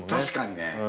確かにね。